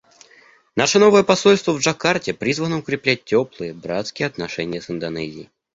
Наше новое посольство в Джакарте призвано укреплять теплые, братские отношения с Индонезией.